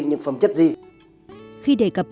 những phẩm chất gì khi đề cập